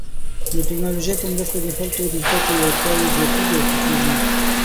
د ټکنالوژۍ په مرسته د خلکو د زده کړې وړتیاوې زیاتېږي او ښه کیږي.